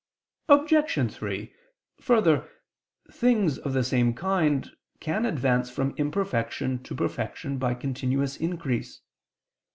Obj. 3: Further, things of the same kind can advance from imperfection to perfection by continuous increase.